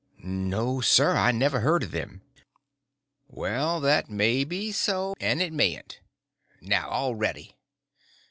"No, sir; I never heard of them." "Well, that may be so, and it mayn't. Now, all ready.